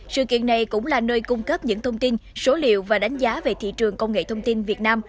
sự kiện này cũng là nơi cung cấp những thông tin số liệu và đánh giá về thị trường công nghệ thông tin việt nam